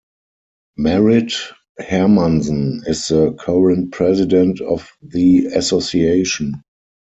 Marit Hermansen is the current president of the association.